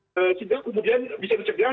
sehingga kemudian bisa dicegah